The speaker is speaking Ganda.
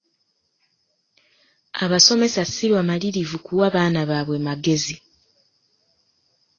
Abasomesa si bamalirirvu kuwa baana baabwe magezi.